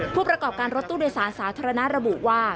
ผู้ประกอบการรถตู้โดยสารสาธารณะระบุว่า